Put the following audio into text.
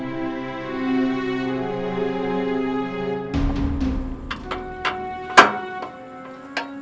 cukup berjerita dan ceritakan